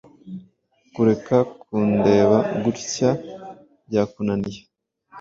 Kureka kundeba gutya byakunaniye.